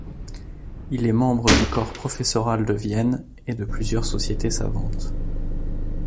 Il est membre du corps professoral de Vienne et de plusieurs sociétés savantes.